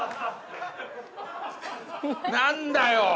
何だよ。